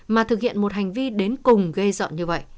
mà thực hiện một hành vi đến cùng gây dọn như vậy